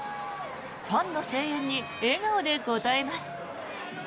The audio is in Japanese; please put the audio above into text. ファンの声援に笑顔で応えます。